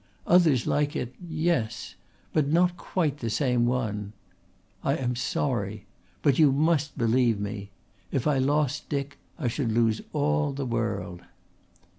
Others like it yes. But not quite the same one. I am sorry. But you must believe me. If I lost Dick I should lose all the world."